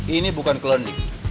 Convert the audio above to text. ini bukan klinik